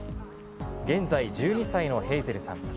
現在、１２歳のヘイゼルさん。